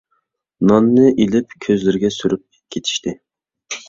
ناننى ئېلىپ كۆزلىرىگە سۈرۈپ كېتىشتى.